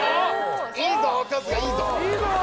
いいぞ春日いいぞ。